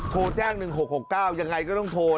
โทรแจ้ง๑๖๖๙ยังไงก็ต้องโทร